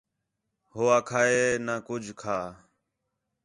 ہو آکھا ہے نہ کُجھ کھا